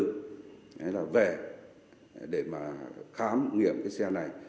khám nghiệm cái xe này